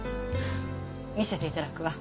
見せていただくわ。